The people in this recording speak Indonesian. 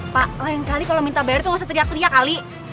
pak lain kali kalo minta bayar tuh gausah teriak teriak kali